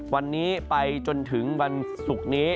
วันนี้ไปจนถึงวันศุกร์นี้